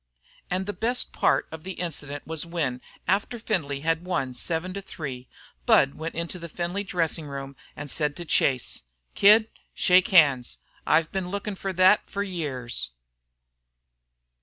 And the best part of the incident was when, after Findlay had won 7 to 3, Budd went into the Findlay dressing room and said to Chase: "Kid, shake hands. I've been lookin' fer thet fer years."